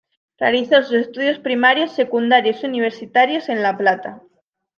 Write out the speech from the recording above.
Realizó sus estudios primarios, secundarios y universitarios en La Plata.